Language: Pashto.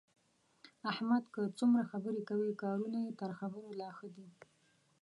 احمد که څومره خبرې کوي، کارونه یې تر خبرو لا ښه دي.